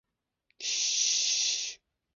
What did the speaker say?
殿试登进士第三甲第一百五十三名。